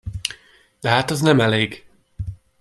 De hát az nem elég.